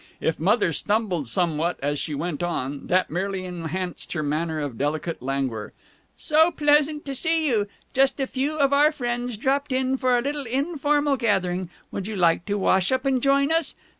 If Mother stumbled somewhat as she went on, that merely enhanced her manner of delicate languor: "So pleasant to see you. Just a few of our friends dropped in for a little informal gathering. Would you like to wash up and join us?